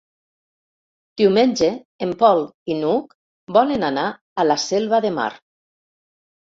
Diumenge en Pol i n'Hug volen anar a la Selva de Mar.